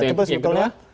itu yang pertama